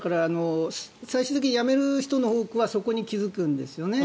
最終的にやめる人の多くはそこに気付くんですよね。